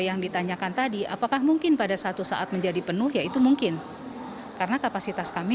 yang ditanyakan tadi apakah mungkin pada satu saat menjadi penuh yaitu mungkin karena kapasitas kami